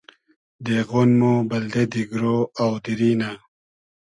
دېغۉن مۉ بئلدې دیگرۉ آو دیری نۂ